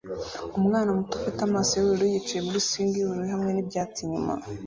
Umwana muto ufite amaso yubururu yicaye muri swing yubururu hamwe nibyatsi inyuma